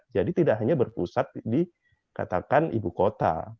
jadi tidak hanya berpusat di katakan ibu kota